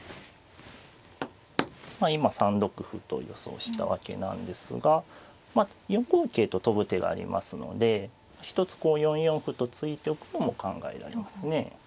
まあ今３六歩と予想したわけなんですが４五桂と跳ぶ手がありますので一つこう４四歩と突いておくのも考えられますね。